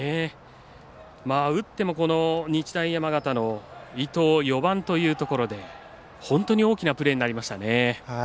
打っても日大山形の伊藤、４番というところで本当に大きなプレーになりました。